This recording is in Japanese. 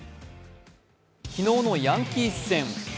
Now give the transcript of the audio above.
昨日のヤンキース戦。